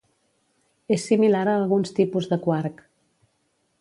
És similar a alguns tipus de quark.